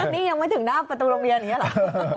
นี่ยังไม่ถึงหน้าประตูรมแยะนี้หรอ